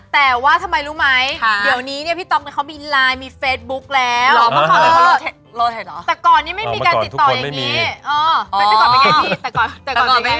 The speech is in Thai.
แต่ว่าถ้ามายรู้ไหม